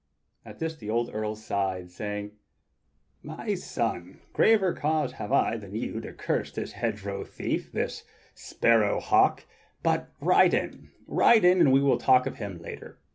At this the old earl sighed, saying: "My son, graver cause have I than you to curse this hedgerow thief — this Sparrow Hawk; but ride in, ride in, and we will talk of him later."